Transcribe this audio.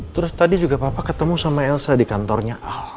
terus tadi juga papa ketemu sama elsa di kantornya